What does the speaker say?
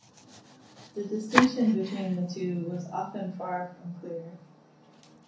The distinction between the two was often far from clear.